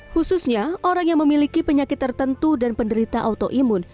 khususnya orang yang memiliki penyakit tertentu dan penderita autoimun